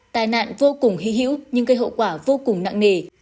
tai nạn vô cùng hí hữu nhưng cây hậu quả vô cùng nặng nề